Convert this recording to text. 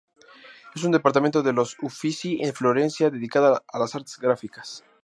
Es un departamento de los Uffizi en Florencia, dedicada a las artes gráficas.